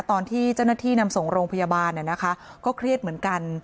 ตอนที่เจ้าหน้าที่นำส่งโรงพยาบาลก็เครียดเหมือนกัน